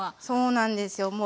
そうなんですよ